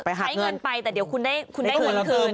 ใช้เงินไปแต่เดี๋ยวคุณได้เงินคืน